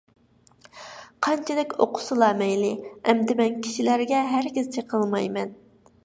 قانچىلىك ئوقۇسىلا مەيلى. ئەمدى مەن كىشىلەرگە ھەرگىز چېقىلمايمەن.